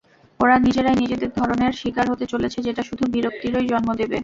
ওরা নিজেরাই নিজেদের ধরনের শিকার হতে চলেছে, যেটা শুধু বিরক্তিরই জন্ম দেবে।